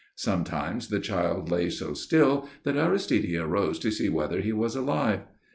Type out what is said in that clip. Sometimes the child lay so still that Aristide arose to see whether he was alive.